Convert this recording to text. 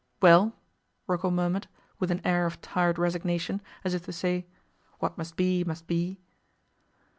'Well?' Rocco murmured, with an air of tired resignation, as if to say, 'What must be must be.